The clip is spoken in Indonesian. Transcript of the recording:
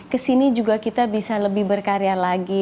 kesini juga kita bisa lebih berkarya lagi